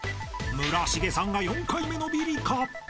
［村重さんが４回目のビリか？］